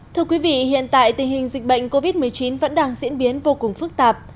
thưa quý vị hiện tại tình hình dịch bệnh covid một mươi chín vẫn đang diễn biến vô cùng phức tạp